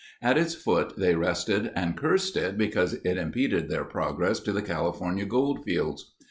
At its foot they rested and cursed it because it impeded their progress to the California goldfields.